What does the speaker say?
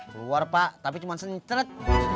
keluar pak tapi cuma sencret